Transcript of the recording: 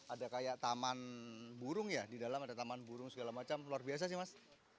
ada kayak taman burung ya di dalam ada taman burung segala macam luar biasa sih mas